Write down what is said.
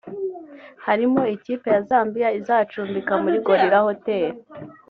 harimo ikipe ya Zambia izacumbika muri Gorillas Hotel